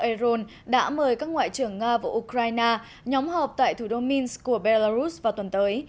aeroon đã mời các ngoại trưởng nga và ukraine nhóm họp tại thủ đô mins của belarus vào tuần tới